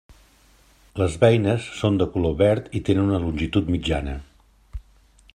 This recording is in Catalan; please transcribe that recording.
Les beines són de color verd i tenen una longitud mitjana.